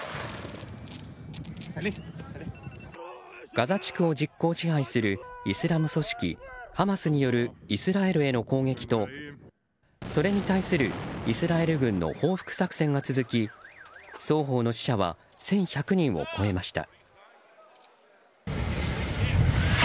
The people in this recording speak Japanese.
ガザ地区を実効支配するイスラム組織ハマスによるイスラエルへの攻撃とそれに対するイスラエル軍の報復作戦が続き双方の死者は１１００人を超えました。